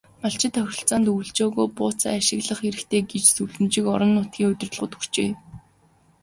Малчид тохиролцоод өвөлжөө бууцаа ашиглах хэрэгтэй гэсэн зөвлөмжийг орон нутгийн удирдлагуудад өгчээ.